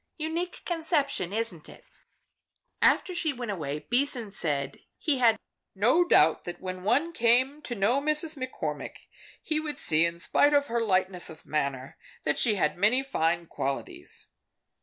Unique conception, isn't it?" After she went away, Beason said he had no doubt that when one came to know Miss McCormick, he would see, in spite of her lightness of manner, that she had many fine qualities.